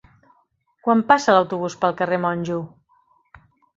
Quan passa l'autobús pel carrer Monjo?